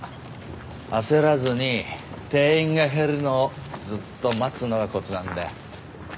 焦らずに店員が減るのをずっと待つのがコツなんだよ。